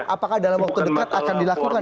apakah dalam waktu dekat akan dilakukan